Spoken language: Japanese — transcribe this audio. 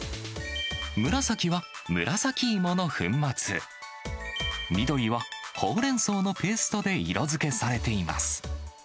紫は紫芋の粉末、緑はほうれん草のペーストで色づけされています。